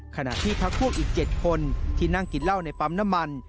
ขณะที่พักพวกอีก๗คนที่นั่งกินเหล้าในปั๊มน้ำมัน